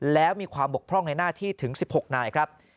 แล้วมีความบกพร่องในหน้าที่ถึง๑๖นายครับ